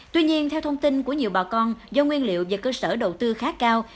tuy nhiên theo thông tin của nhiều bà con do nguyên liệu và cơ sở đầu tư khá cao